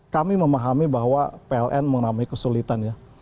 kami memahami bahwa pln mengalami kesulitan ya